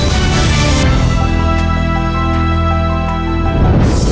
สวัสดีครับ